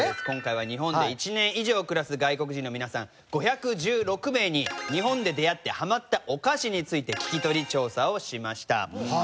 今回は日本で１年以上暮らす外国人の皆さん５１６名に日本で出会ってハマったお菓子について聞き取り調査をしました。